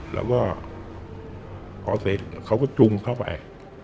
แล้วก็พอเสร็จเขาก็จุงเข้าไป